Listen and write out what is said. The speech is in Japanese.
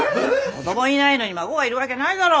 子供いないのに孫がいるわけないだろ。